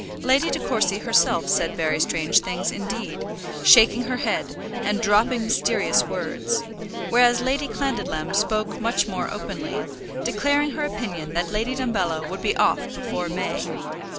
Lady De Courcy herself said very strange things indeed, shaking her head, and dropping mysterious words; whereas Lady Clandidlem spoke much more openly, declaring her opinion that Lady Dumbello would be off before May.